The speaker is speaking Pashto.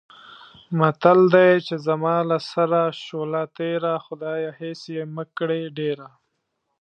متل دی: چې زما له سره شوله تېره، خدایه هېڅ یې مه کړې ډېره.